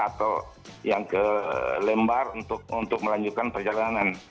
atau yang ke lembar untuk melanjutkan perjalanan